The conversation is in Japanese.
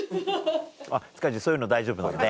塚地そういうの大丈夫なんで。